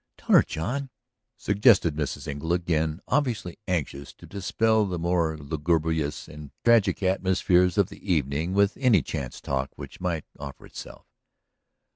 "Tell her, John," suggested Mrs. Engle, again obviously anxious to dispel the more lugubrious and tragic atmospheres of the evening with any chance talk which might offer itself.